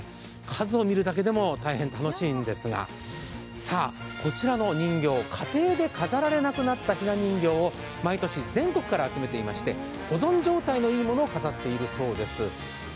数を見るだけでも大変楽しいんですが、こちらの人形、家庭で飾られなくなったひな人形を毎年全国から集められていまして、保存状態のいいものを飾っているそうです。